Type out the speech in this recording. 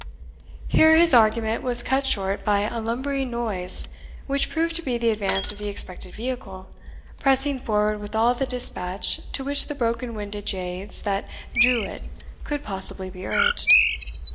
Here his argument was cut short by a lumbering noise, which proved to be the advance of the expected vehicle, pressing forward with all the dispatch to which the broken winded jades that drew it could possibly be urged.